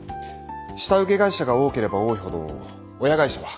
下請け会社が多ければ多いほど親会社は？